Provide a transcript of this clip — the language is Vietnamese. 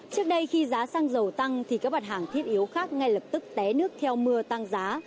trước đây khi giá xăng dầu tăng thì các mặt hàng thiết yếu khác ngay lập tức té nước theo mưa tăng giá